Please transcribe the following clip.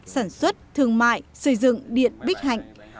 sản xuất thương mại xây dựng điện bích hành